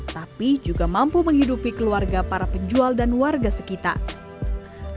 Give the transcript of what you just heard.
tapi juga mampu menghidupi keluarga para penjual dan warga sekitar